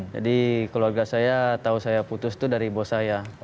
jadi keluarga saya tahu saya putus itu dari bos saya